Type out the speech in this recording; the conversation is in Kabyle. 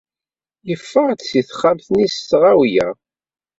Yeffeɣ-d seg texxamt-nni s tɣawla.